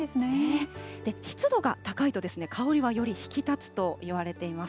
湿度が高いと、香りはより引き立つといわれています。